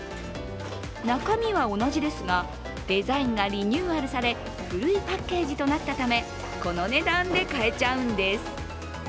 中身は同じですが、デザインがリニューアルされ古いパッケージとなったためこの値段で買えちゃうんです。